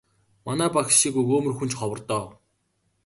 Манай багш шиг өгөөмөр хүн ч ховор доо.